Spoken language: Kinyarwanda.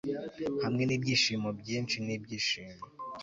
hamwe n'ibyishimo byinshi n'ibyishimo